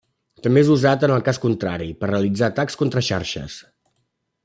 També és usat en el cas contrari: per realitzar atacs contra xarxes.